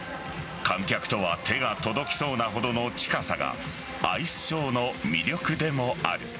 観客とは手が届きそうなほどの近さがアイスショーの魅力でもある。